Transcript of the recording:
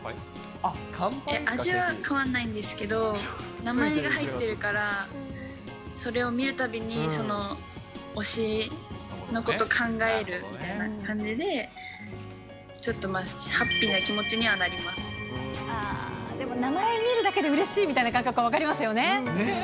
味は変わらないんですけど、名前が入ってるから、それを見るたびに、その推しのことを考えるみたいな感じで、ちょっとハッピーな気持でも名前見るだけでうれしいみたいな感覚、分かりますよね。